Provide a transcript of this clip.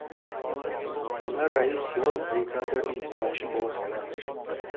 Bunda rais yo brigadirning tovushi bor xolos.